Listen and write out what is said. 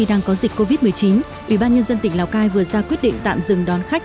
đang có dịch covid một mươi chín ủy ban nhân dân tỉnh lào cai vừa ra quyết định tạm dừng đón khách